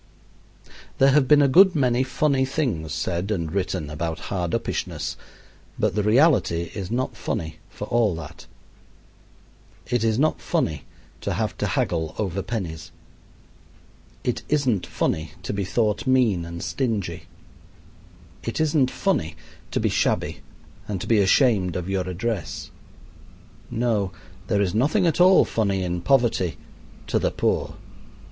There have been a good many funny things said and written about hardupishness, but the reality is not funny, for all that. It is not funny to have to haggle over pennies. It isn't funny to be thought mean and stingy. It isn't funny to be shabby and to be ashamed of your address. No, there is nothing at all funny in poverty to the poor.